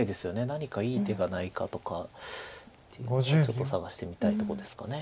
何かいい手がないかとかっていうのはちょっと探してみたいとこですか。